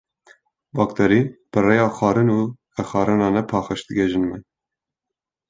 Bakterî bi rêya xwarin û vexwarina nepaqij digihêjin me.